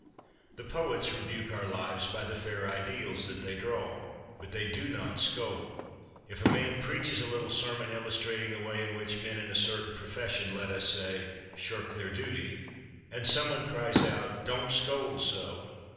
The poets rebuke our lives by the fair ideals that they draw, but they do not scold. If a man preaches a little sermon illustrating the way in which men in a certain profession, let us say, shirk their duty, and somebody cries out, "Don't scold so!"